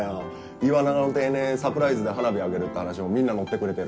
岩永の定年サプライズで花火上げるって話もみんなのってくれてる。